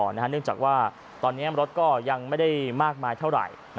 เนื่องจากว่าตอนนี้รถก็ยังไม่ได้มากมายเท่าไหร่